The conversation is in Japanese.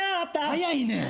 早いねん。